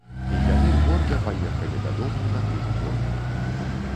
І яны горда паехалі дадому на тых конях.